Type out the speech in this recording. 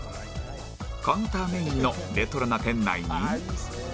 カウンターメインのレトロな店内に